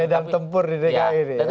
medang tempur di dki ini